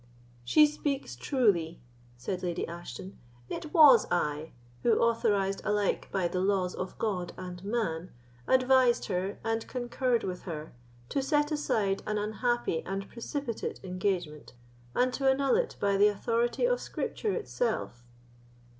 "She speaks truly," said Lady Ashton, "it was I who, authorised alike by the laws of God and man, advised her, and concurred with her, to set aside an unhappy and precipitate engagement, and to annul it by the authority of Scripture itself."